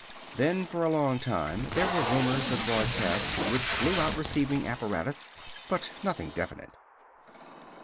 Then for a long while there were rumors of broadcasts which blew out receiving apparatus, but nothing definite.